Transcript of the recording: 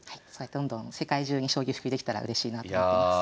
どんどん世界中に将棋普及できたらうれしいなって思ってます。